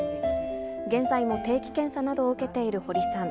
現在も定期検査などを受けている堀さん。